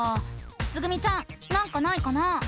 つぐみちゃんなんかないかな？